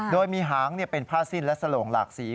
โดยมีหางเป็นผ้าสิ้นและสโหลงหลากสี